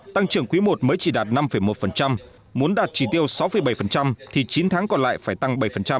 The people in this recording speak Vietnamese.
tăng trưởng quý i mới chỉ đạt năm một muốn đạt chỉ tiêu sáu bảy thì chín tháng còn lại phải tăng bảy